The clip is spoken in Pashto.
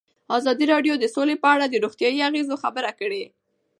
ازادي راډیو د سوله په اړه د روغتیایي اغېزو خبره کړې.